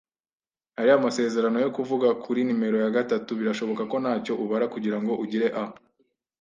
hari amasezerano yo kuvuga kuri nimero ya gatatu. Birashoboka ko ntacyo ubara kugirango ugire a